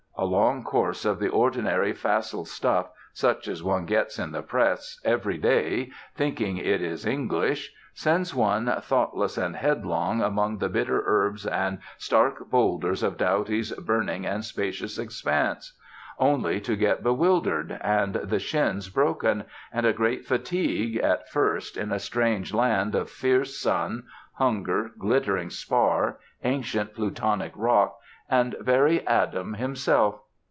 A long course of the ordinary facile stuff, such as one gets in the Press every day, thinking it is English, sends one thoughtless and headlong among the bitter herbs and stark boulders of Doughty's burning and spacious expanse; only to get bewildered, and the shins broken, and a great fatigue at first, in a strange land of fierce sun, hunger, glittering spar, ancient plutonic rock, and very Adam himself.